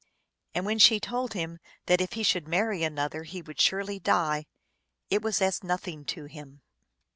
And when she told him that if he should marry another he would surely die, it was as nothing to him.